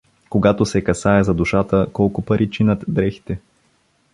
Когато се касае за душата — колко пари чинат дрехите?